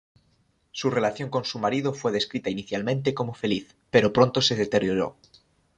Su relación con su marido fue descrita inicialmente como feliz, pero pronto se deterioró.